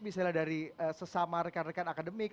misalnya dari sesama rekan rekan akademik